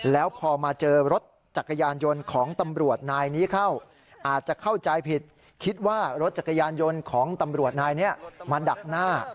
แล้วพอมาเจอรถจักรยานยนต์ของตำรวจนายนี้เข้าอาจจะเข้าใจผิดคิดว่ารถจักรยานยนต์ของตำรวจนายนี้มาดักหน้า